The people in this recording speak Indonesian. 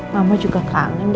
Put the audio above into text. mama juga kangen